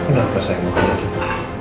kenapa sayang bukanya gitu